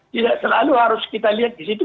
tidak selalu harus kita lihat disitu